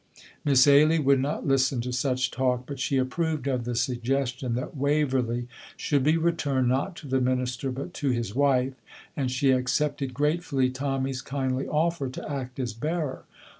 Miss Ailie would not listen to such talk, but she approved of the suggestion that "Waverley" should be returned not to the minister, but to his wife, and she accepted gratefully Tommy's kindly offer to act as bearer.